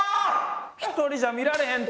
一人じゃ見られへんて。